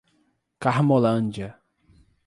Carmolândia